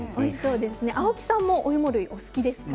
青木さんもお芋類お好きですか？